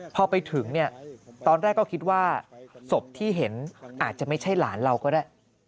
พอไปถึงเนี่ยตอนแรกก็คิดว่าศพที่เห็นอาจจะไม่ใช่หลานเราก็ได้